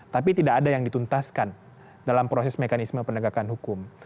tapi tidak ada yang dituntaskan dalam proses mekanisme penegakan hukum